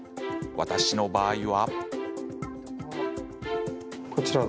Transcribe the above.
私の場合は。